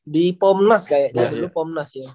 di pomenas kayaknya dulu pomenas ya